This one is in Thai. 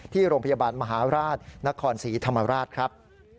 ที่โรงพยาบาลมหาราชนครศรีธรรมราชครับ